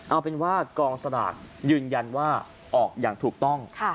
เอาเป็นว่ากองสลากยืนยันว่าออกอย่างถูกต้อง